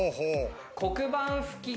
黒板拭き